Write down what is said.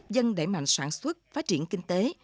tích cực giúp dân đẩy mạnh soạn xuất phát triển kinh tế